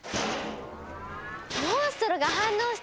モンストロが反応した！